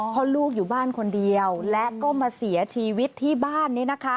เพราะลูกอยู่บ้านคนเดียวและก็มาเสียชีวิตที่บ้าน